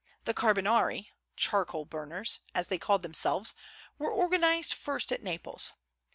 The Carbonari ("charcoal burners"), as they called themselves, were organized first at Naples.